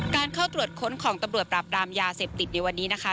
หลักการทวดค้นศูนย์ของตำรวจรับรามยาเสพติดนี่วันนี้นะคะ